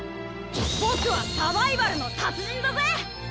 僕はサバイバルの達人だぜ！